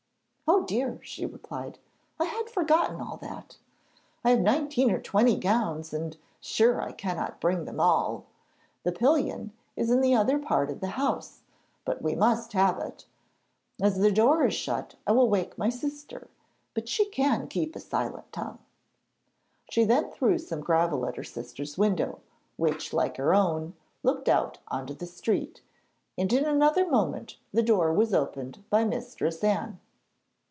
'Oh dear!' she replied, 'I had forgotten all that. I have nineteen or twenty gowns, and sure, I cannot bring them all. The pillion is in the other part of the house, but we must have it. As the door is shut, I will wake my sister, but she can keep a silent tongue.' She then threw some gravel at her sister's window, which, like her own, looked out on to the street, and in another moment the door was opened by Mistress Anne.